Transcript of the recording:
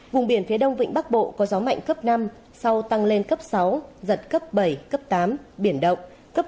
vùng biển phía đông vịnh bắc bộ có gió mạnh cấp năm sau tăng lên cấp sáu giật cấp bảy cấp tám biển động